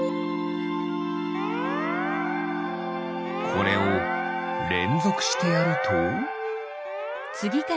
これをれんぞくしてやると？